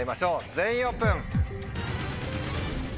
全員オープン。